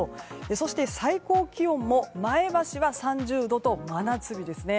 そして、最高気温も前橋は３０度と、真夏日ですね。